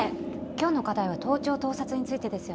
今日の課題は盗聴盗撮についてですよね。